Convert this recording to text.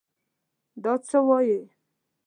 دا څه وايې!